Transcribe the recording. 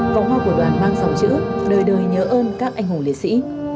vòng hoa của đoàn mang dòng chữ đời đời nhớ ơn các anh hùng liệt sĩ